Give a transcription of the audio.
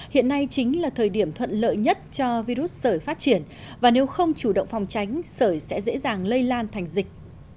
hiện nay chính là thời điểm thuận lợi nhất cho virus sởi phát triển và nếu không chủ động phòng tránh sởi sẽ dễ dàng lây lan thành dịch